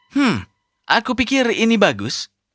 hmm aku pikir ini bagus